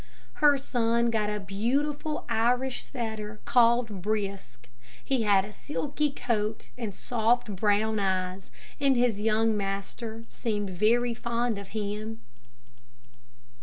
Her son got a beautiful Irish setter, called "Brisk." He had a silky coat and soft brown eyes, and his young master seemed very fond of him.